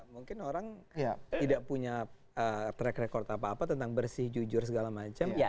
mungkin orang tidak punya track record apa apa tentang bersih jujur segala macam